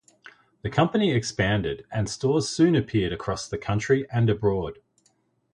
The company expanded and stores soon appeared across the country and abroad.